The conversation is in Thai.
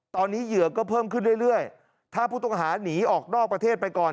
ตอนนี้เหยื่อก็เพิ่มขึ้นเรื่อยถ้าผู้ต้องหาหนีออกนอกประเทศไปก่อน